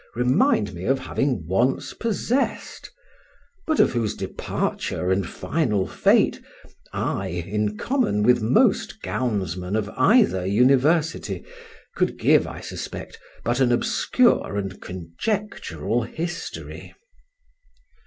remind me of having once possessed, but of whose departure and final fate I, in common with most gownsmen of either university, could give, I suspect, but an obscure and conjectural history.